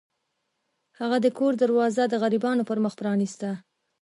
هغه د کور دروازه د غریبانو پر مخ پرانیسته.